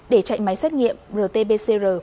để chạy máy xét nghiệm rtbc